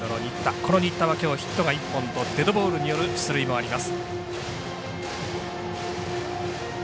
この新田はヒットが１本とデッドボールによる出塁もあります。